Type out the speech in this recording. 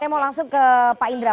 saya mau langsung ke pak indra